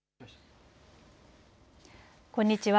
こんにちは。